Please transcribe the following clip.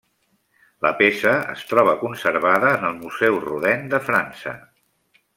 La peça es troba conservada en el Museu Rodin de França.